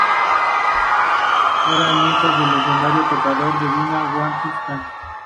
Era el nieto del legendario tocador de vina, Wazir Khan.